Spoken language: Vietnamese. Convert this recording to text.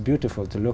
đến quốc gia